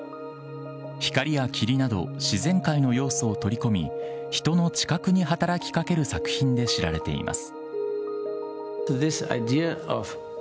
光や霧など、自然界の要素を取り組み、人の知覚に働きかける作品で知られています。